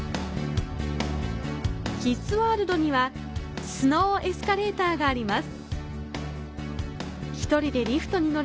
キッズワールドには、スノー・エスカレーターがあります。